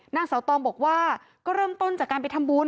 นางเสาตองบอกว่าก็เริ่มต้นจากการไปทำบุญ